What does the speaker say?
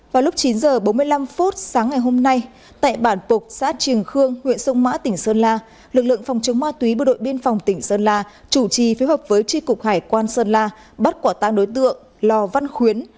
vào lúc chín h bốn mươi năm sáng ngày hôm nay tại bản phục xã trường khương huyện sông mã tỉnh sơn la lực lượng phòng chống ma túy bộ đội biên phòng tỉnh sơn la chủ trì phiếu hợp với tri cục hải quan sơn la bắt quả tang đối tượng lò văn khuyến